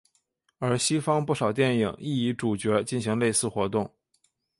而西方不少电影亦以主角进行类似活动。